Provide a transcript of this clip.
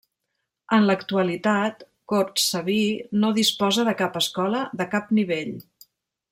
En l'actualitat, Cortsaví no disposa de cap escola, de cap nivell.